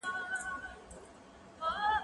مېوې راټوله؟